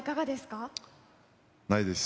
ないです。